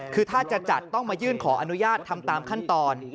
คือถ้าจะจัดต้องมายื่นขออนุญาตทำตามขั้นตอน